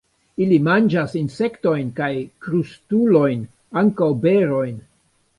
Ili manĝas insektojn kaj krustulojn; ankaŭ berojn.